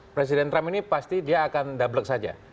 presiden trump ini pasti dia akan doubleg saja